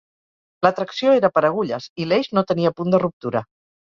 La tracció era per agulles, i l'eix no tenia punt de ruptura.